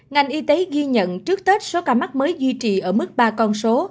ngành y tế ghi nhận trước tết số ca mắc mới duy trì ở mức ba con số